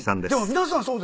でも皆さん